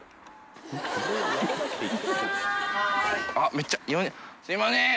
めっちゃ４人すみません。